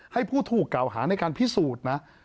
ให้ผู้ถูกกล่าวหาในการพิสูจน์นะ